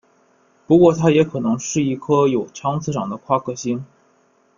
不过它也可能是一颗有强磁场的夸克星。